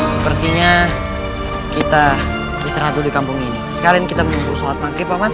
sepertinya kita istirahat di kampung ini sekalian kita menunggu sholat maghrib pak mat